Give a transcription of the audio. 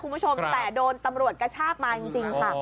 บังคัต